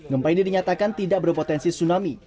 gempa ini dinyatakan tidak berpotensi tsunami